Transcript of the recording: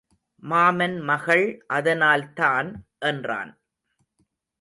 மாமன் மகள் அதனால்தான் என்றான்.